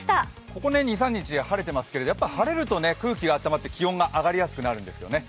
ここ２３日、晴れてますけど晴れると空気が暖まって気温が上がりやすくなるんですよね。